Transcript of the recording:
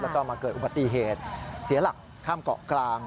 แล้วก็มาเกิดอุบัติเหตุเสียหลักข้ามเกาะกลาง